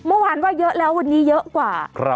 เมื่อวานว่าเยอะแล้ววันนี้เยอะกว่า